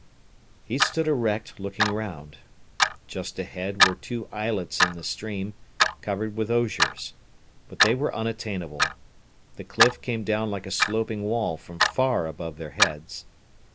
He stood erect, looking round. Just ahead were two islets in the stream, covered with osiers. But they were unattainable. The cliff came down like a sloping wall from far above their heads.